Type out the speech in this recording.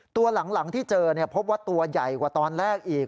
ตัวหลังที่เจอพบว่าตัวใหญ่กว่าตอนแรกอีก